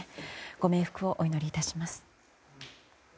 ご冥福をお祈りいたします。